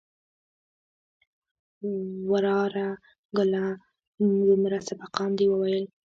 وراره گله دومره سبقان دې وويل.